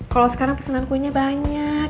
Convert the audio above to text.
kalo sekarang pesenan kuenya banyak